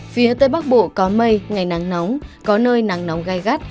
phía tây bắc bộ có mây ngày nắng nóng có nơi nắng nóng gai gắt